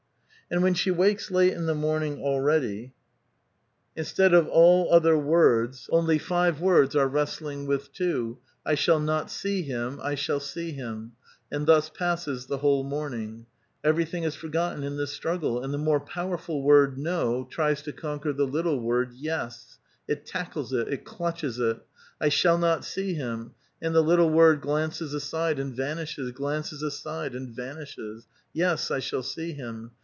And when she wakes late in the morning already, instead 842 A VITAL QUESTION. of all other words, only five words are wrestiing with two, ^*' I shall not see him ; I shall see him "^; and thus passes the whole moruiug. Ever}'thiiig is forgotten ; ever} thing is forgotten in tliis struggle, aud the more powerful word no tries to conquer the Utile word yes; it tackles it ; it clutches it. ^* 1 shall not see him "; and the little word glances aside aud vanishes, glances aside aud vanishes. *'" Yes, I shall see him."